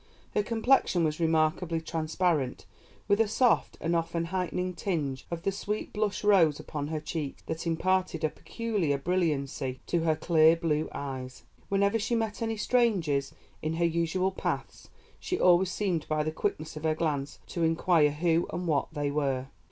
Her complexion was remarkably transparent, with a soft and often heightening tinge of the sweet blush rose upon her cheeks that imparted a peculiar brilliancy to her clear blue eyes. Whenever she met any strangers in her usual paths she always seemed by the quickness of her glance to inquire who and what they were."